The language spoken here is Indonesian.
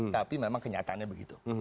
tapi memang kenyataannya begitu